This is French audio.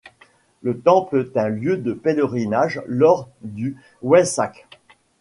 Le temple est un lieu de pèlerinage lors du Waisak.